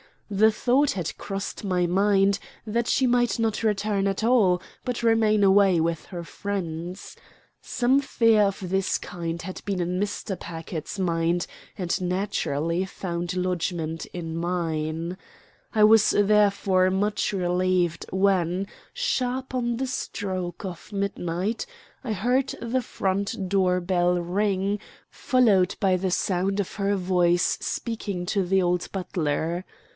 The thought had crossed my mind that she might not return at all, but remain away with her friends. Some fear of this kind had been in Mr. Packard's mind and naturally found lodgment in mine. I was therefore much relieved when, sharp on the stroke of midnight, I heard the front door bell ring, followed by the sound of her voice speaking to the old butler.